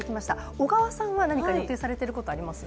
小川さんは何か予定されていることあります？